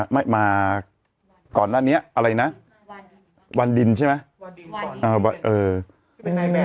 มาก่อนด้านนี้วันดินใช่ไหม